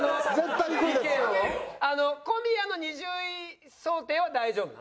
あの小宮の２０位想定は大丈夫なの？